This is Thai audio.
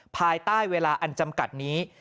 ภายใต้เวลาอันจำกัดนี้